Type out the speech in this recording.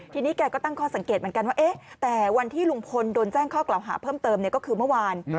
ทีนี้แกก็ตั้งข้อสังเกตเหมือนกันว่าแต่วันที่ลุงพลโดนแจ้งข้อกล่าวหาเพิ่มเติมก็คือเมื่อวาน